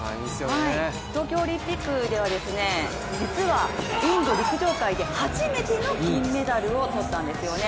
東京オリンピックでは実はインド陸上界で初めての金メダルをとったんですよね。